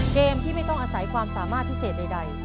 เกมที่ไม่ต้องอาศัยความสามารถพิเศษใด